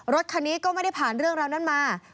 รถคันนี้ก็ไม่ได้ผ่านเรื่องราวนั้นมา